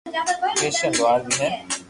ڪرسٽن لوھار بي ھي